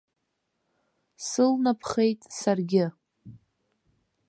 Сылнаԥхеит саргьы.